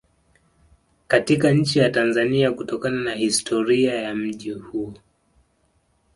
Katika nchi ya Tanzania kutokana na historia ya mji huo